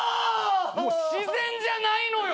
もう自然じゃないのよ！